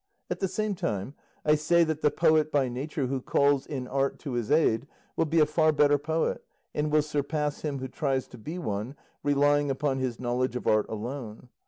At the same time, I say that the poet by nature who calls in art to his aid will be a far better poet, and will surpass him who tries to be one relying upon his knowledge of art alone.